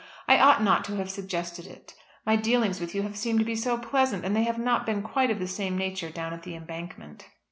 I ought not to have suggested it. My dealings with you have seemed to be so pleasant, and they have not been quite of the same nature down at 'The Embankment.'"